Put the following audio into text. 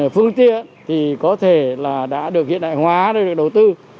phương tiện thì có thể là đã được hiện đại hóa rồi được đầu tư